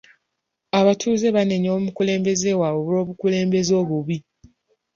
Abatuuze baanenya omukulembeze waabwe olw'obukulembeze obubi.